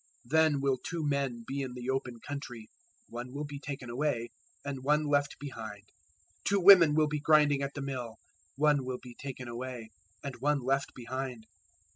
024:040 Then will two men be in the open country: one will be taken away, and one left behind. 024:041 Two women will be grinding at the mill: one will be taken away, and one left behind.